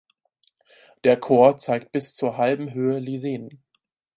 Der Chor zeigt bis zur halben Höhe Lisenen.